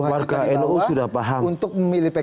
warga nu sudah paham